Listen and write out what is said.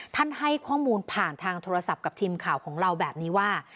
ให้ข้อมูลผ่านทางโทรศัพท์กับทีมข่าวของเราแบบนี้ว่า